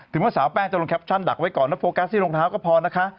ว่าสาวแป้งจะลงแคปชั่นดักไว้ก่อนแล้วโฟกัสที่รองเท้าก็พอนะคะ